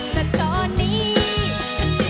ฮุยฮาฮุยฮารอบนี้ดูทางเวที